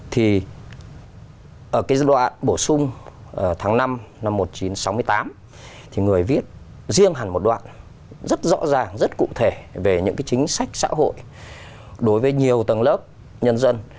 thì ở cái đoạn bổ sung tháng năm năm một nghìn chín trăm sáu mươi tám thì người viết riêng hẳn một đoạn rất rõ ràng rất cụ thể về những cái chính sách xã hội đối với nhiều tầng lớp nhân dân